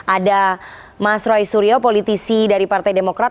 ada mas roy suryo politisi dari partai demokrat